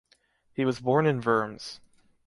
He was born in Worms.